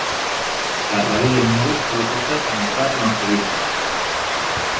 La radio del móvil sólo coge emisoras evangelistas.